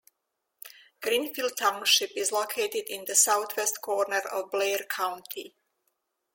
Greenfield Township is located in the southwest corner of Blair County.